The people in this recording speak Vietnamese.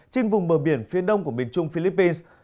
trên vùng bờ biển phía đông của miền trung philippines